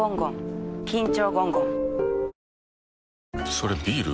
それビール？